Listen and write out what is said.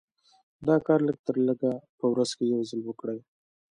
دا کار لږ تر لږه په ورځ کې يو ځل وکړئ.